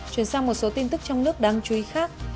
chuyển sang một số tin tức trong nước đáng chú ý khác